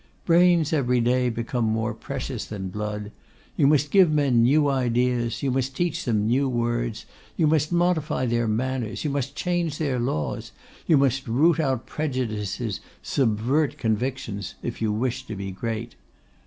Brains every day become more precious than blood. You must give men new ideas, you must teach them new words, you must modify their manners, you must change their laws, you must root out prejudices, subvert convictions, if you wish to be great.